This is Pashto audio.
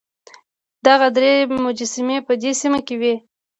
دغه درې مجسمې په دې سیمه کې وې.